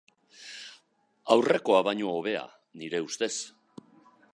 Aurrekoa baino hobea, nire ustez.